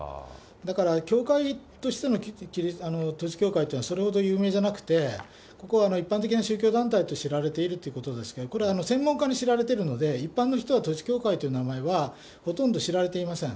だから教会としての統一教会っていうのはそれほど有名じゃなくて、ここは一般的な宗教団体と知られているってことですけど、これ、専門家に知られているので、一般の人は統一教会という名前は、ほとんど知られていません。